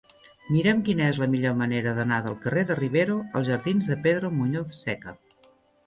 Mira'm quina és la millor manera d'anar del carrer de Rivero als jardins de Pedro Muñoz Seca.